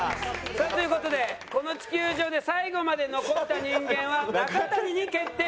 さあという事でこの地球上で最後まで残った人間は中谷に決定。